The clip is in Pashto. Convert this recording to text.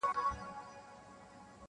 علم شیطان دی خلک تېرباسي -